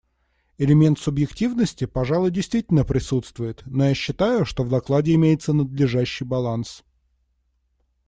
Элемент субъективности, пожалуй, действительно присутствует, но я считаю, что в докладе имеется надлежащий баланс.